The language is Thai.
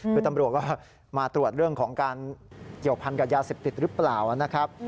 คือตำรวจก็มาตรวจเรื่องของการเกี่ยวพันกับยาเสพติดหรือเปล่านะครับ